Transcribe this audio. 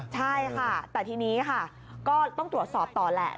ใช่ค่ะแต่ทีนี้ค่ะก็ต้องตรวจสอบต่อแหละ